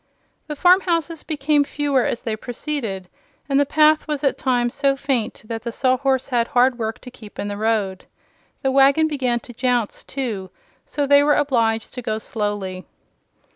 The farm houses became fewer as they proceeded, and the path was at times so faint that the Sawhorse had hard work to keep in the road. The wagon began to jounce, too; so they were obliged to go slowly.